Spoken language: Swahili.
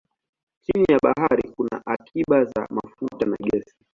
Chini ya bahari kuna akiba za mafuta na gesi.